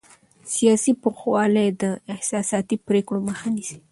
سیاسي پوخوالی د احساساتي پرېکړو مخه نیسي